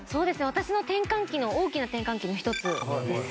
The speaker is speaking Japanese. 私の転換期の大きな転換期の一つです。